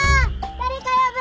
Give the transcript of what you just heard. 誰か呼ぶ！